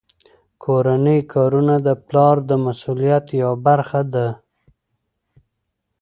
کورني کارونه د پلار د مسؤلیت یوه برخه ده.